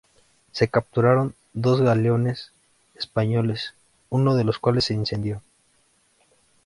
Se capturaron dos galeones españoles, uno de los cuales se incendió.